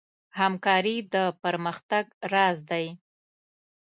همکاري د پرمختګ راز دی.